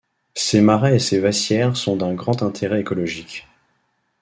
Ces marais et ces vasières sont d'un grand intérêt écologique.